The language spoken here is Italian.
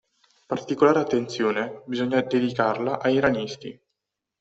Particolare attenzione bisogna dedicarla ai ranisti.